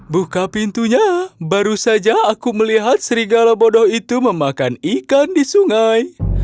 buka pintunya baru saja aku melihat serigala bodoh itu memakan ikan di sungai